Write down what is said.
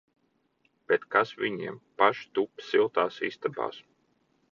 Bet kas viņiem! Paši tup siltās istabās!